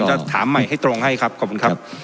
จะถามใหม่ให้ตรงให้ครับขอบคุณครับ